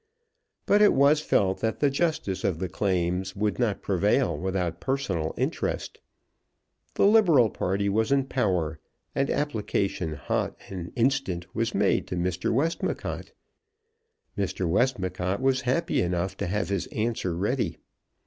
But it was felt that the justice of the claims would not prevail without personal interest. The liberal party was in power, and application, hot and instant, was made to Mr. Westmacott. Mr. Westmacott was happy enough to have his answer ready.